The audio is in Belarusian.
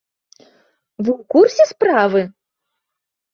Вы ў курсе справы?